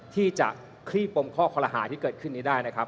ที่จะคลี่ปมข้อคอลหาที่เกิดขึ้นนี้ได้นะครับ